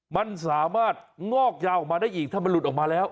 มันสามารถงอกยาวออกมาได้อีกถ้ามันหลุดออกมาแล้ว